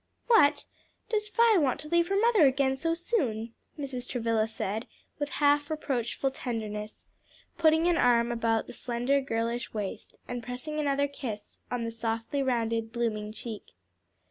"What! does my Vi want to leave her mother again so soon?" Mrs. Travilla said with half reproachful tenderness, putting an arm about the slender, girlish waist, and pressing another kiss on the softly rounded, blooming cheek.